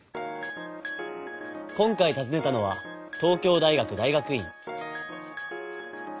今回たずねたのは東京大学大学院。